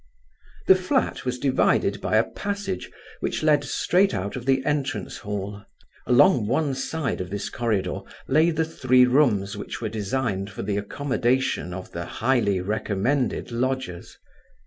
The flat was divided by a passage which led straight out of the entrance hall. Along one side of this corridor lay the three rooms which were designed for the accommodation of the "highly recommended" lodgers.